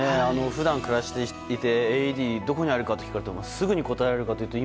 普段、暮らしていてＡＥＤがどこにあるかと聞かれてすぐに答えられるかといったら